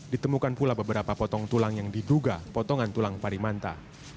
ditemukan pula beberapa potong tulang yang diduga potongan tulang parimanta